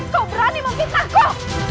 kau berani memfitnahku